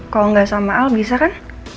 kalau nggak sama al bisa kan